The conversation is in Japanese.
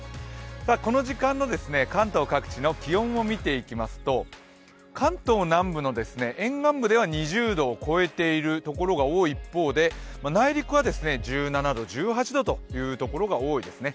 この時間の関東各地の気温を見ていきますと関東南部の沿岸部では２０度を超えている所が多い一方で、内陸は１７度、１８度というところが多いですね。